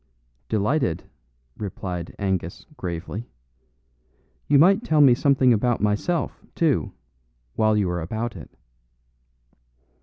'" "Delighted," replied Angus gravely. "You might tell me something about myself, too, while you are about it."